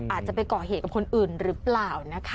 อาจจะไปก่อเหตุกับคนอื่นหรือเปล่านะคะ